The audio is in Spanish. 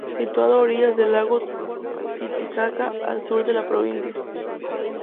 Situado a orillas del lago Titicaca al sur de la provincia.